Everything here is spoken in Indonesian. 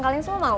kalian semua mau